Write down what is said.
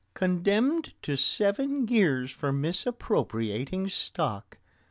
Condemned to seven years for misappropriating stock!!!